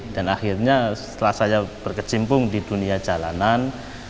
dan akhirnya setelah saya berkecimpung di dunia jalanan